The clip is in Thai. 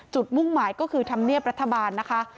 มุ่งหมายก็คือธรรมเนียบรัฐบาลนะคะ